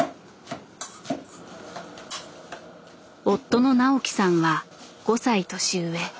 夫の直樹さんは５歳年上。